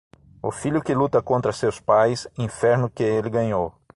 O filho que luta contra seus pais, inferno que ele ganhou.